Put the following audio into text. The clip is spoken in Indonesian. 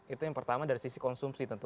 itu yang pertama dari sisi konsumsi tentu